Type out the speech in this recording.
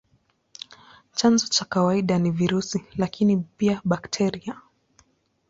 Chanzo cha kawaida ni virusi, lakini pia bakteria.